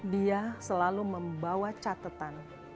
dia selalu membawa catatan